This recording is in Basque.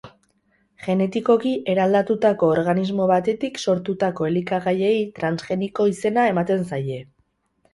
Genetikoki eraldatutako organismo batetik sortutako elikagaiei transgeniko izena ematen zaie.